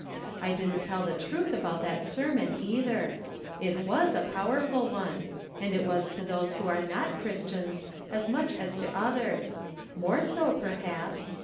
I didn't tell the truth about that sermon, either ; it was a powerful one, and it was to those who are not Christians as much as to others — more so, perhaps.